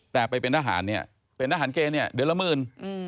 แต่ไปเป็นทหารเนี่ยเป็นทหารเกณฑ์เนี่ยเดือนละหมื่น